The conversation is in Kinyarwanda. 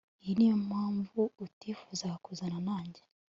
iyi niyo mpamvu utifuzaga kuzana nanjye